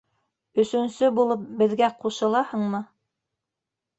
Өсөнсө булып беҙгә ҡушылаһыңмы?